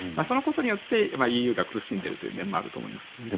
そのことによってＥＵが苦しんでいるという面もあると思います。